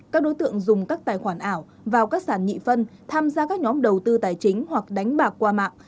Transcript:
các đối tượng dùng các tài khoản ảo vào các sản nhị phân tham gia các nhóm đầu tư tài chính hoặc đánh bạc qua mạng